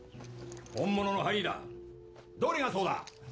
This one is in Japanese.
本物のハリーだどれがそうだ？